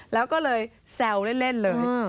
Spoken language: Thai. แล้วก็เลยแซวเล่นเลย